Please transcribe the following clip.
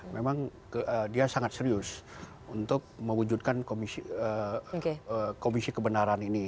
memang dia sangat serius untuk mewujudkan komisi kebenaran ini